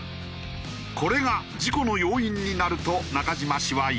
これが事故の要因になると中島氏は言う。